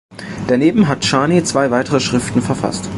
Daneben hat Charny zwei weitere Schriften verfasst.